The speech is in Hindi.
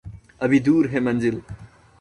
अभी दूर है मंजिल